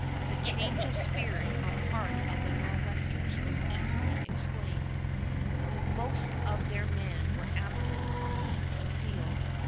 The change of spirit on the part of the Nor'westers was easily explained. The most of their men were absent on the hunting field.